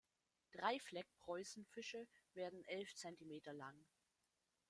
Dreifleck-Preußenfische werden elf Zentimeter lang.